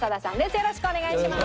よろしくお願いします。